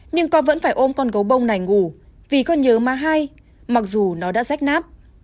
nhưng con vẫn phải ôm con gấu bông này ngủ vì con nhớ má hai mặc dù nó đã rách nát